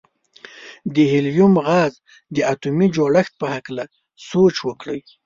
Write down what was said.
د هیلیم غاز د اتومي جوړښت په هکله سوچ وکړئ.